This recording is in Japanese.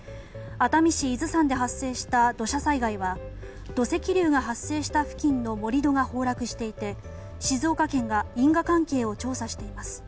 熱海市伊豆山で発生した土砂災害は土石流が発生した付近の盛り土が崩落していて静岡県が因果関係を調査しています。